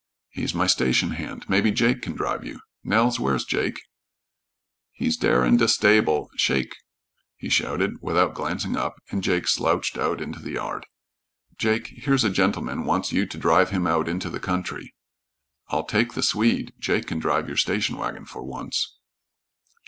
"He's my station hand. Maybe Jake can drive you. Nels, where's Jake?" "He's dere in the stable. Shake!" he shouted, without glancing up, and Jake slouched out into the yard. "Jake, here's a gentleman wants you to drive him out into the country, " "I'll take the Swede. Jake can drive your station wagon for once."